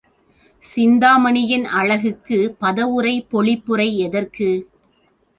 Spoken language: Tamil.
சிந்தாமணியின் அழகுக்குப் பதவுரை, பொழிப்புரை எதற்கு?